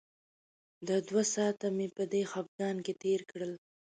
د دوه ساعته مې په دې خپګان کې تېر شول.